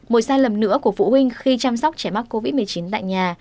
một sai lầm nữa của phụ huynh khi chăm sóc trẻ mắc covid một mươi chín tại nhà